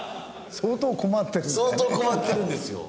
相当困ってるんですよ。